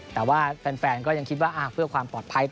แต่ว่าแฟนก็ยังคิดว่าเพื่อความปลอดภัย